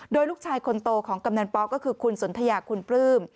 โดยลูกชายคนโตของกำนันป๊อกก็คือคุณสนทยาคุณปลื้ม